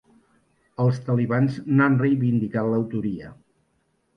Els talibans n’han reivindicat l’autoria.